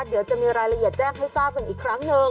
เดี๋ยวจะมีรายละเอียดแจ้งให้ทราบกันอีกครั้งหนึ่ง